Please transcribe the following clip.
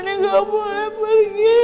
nenek gak boleh pergi